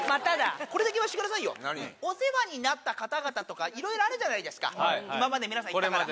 これだけ言わせてくださいよお世話になった方々とかいろいろあるじゃないですか今まで皆さん行ったから。